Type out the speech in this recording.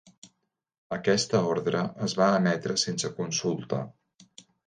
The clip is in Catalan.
Aquesta ordre es va emetre sense consulta.